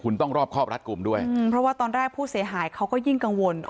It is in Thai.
คุณต้องรอบครอบรัดกลุ่มด้วยเพราะว่าตอนแรกผู้เสียหายเขาก็ยิ่งกังวล